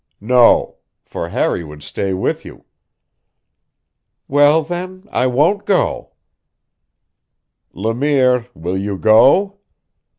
"No; for Harry would stay with you." "Well, then I won't go." "Le Mire, you will go?"